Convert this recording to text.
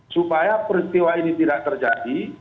supaya peristiwa ini tidak terjadi